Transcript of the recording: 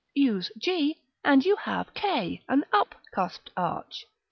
Use g, and you have k, an up cusped arch.